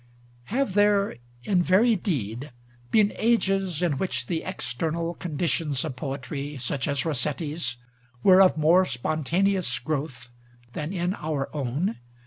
Have there, in very deed, been ages, in which the external conditions of poetry such as Rossetti's were of more spontaneous growth than in our own?